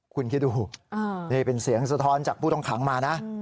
คุณคิดดูนี่เป็นเสียงสะท้อนจากผู้ต้องขังมานะ